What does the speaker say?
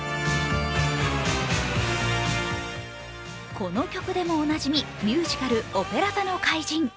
この曲でもおなじみ、ミュージカル「オペラ座の怪人」。